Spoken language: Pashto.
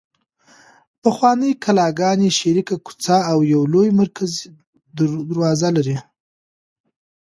پخوانۍ کلاګانې شریکه کوڅه او یوه لویه مرکزي دروازه لري.